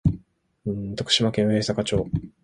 徳島県上板町